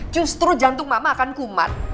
justru jantung mama akan kumat